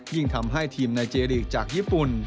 ทำให้ทีมในเจรีกจากญี่ปุ่น